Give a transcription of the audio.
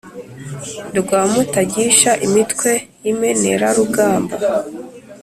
rwa mutagisha imitwe y'imenerarugamba,